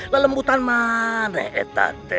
lelembutan mana etante